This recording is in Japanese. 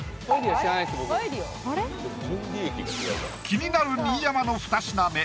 気になる新山の２品目